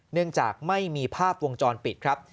เนื่องจากไม่มีภาพวงจรปิดครับ